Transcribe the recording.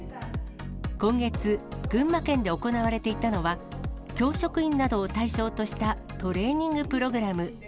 今月、群馬県で行われていたのは、教職員などを対象としたトレーニングプログラム。